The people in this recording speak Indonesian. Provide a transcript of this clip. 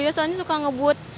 ria soalnya suka ngebut